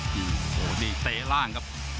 ภูตวรรณสิทธิ์บุญมีน้ำเงิน